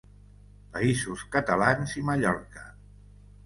Països Catalans i Mallorca.